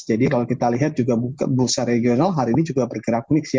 jadi kalau kita lihat juga bursa regional hari ini juga bergerak unik sih ya